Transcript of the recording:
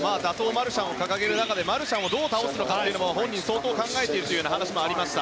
マルシャンを掲げる中でマルシャンをどう倒すのかを本人は相当考えているという話でした。